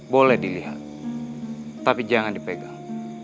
boleh dilihat tapi jangan dipegang